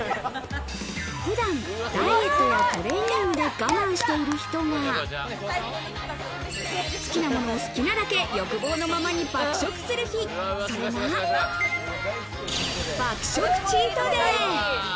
普段、ダイエットやトレーニングで我慢している人が、好きなものを好きなだけ欲望のままに爆食する日、それが爆食チートデイ。